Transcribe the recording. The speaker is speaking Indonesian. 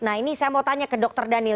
nah ini saya mau tanya ke dokter daniel